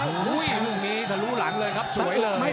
โอ้โหลูกนี้ทะลุหลังเลยครับสวยเลย